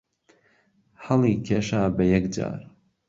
ههڵی کێشا به یهک جار